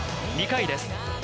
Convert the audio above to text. ２回です。